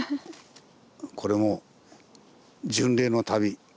これも巡礼の旅。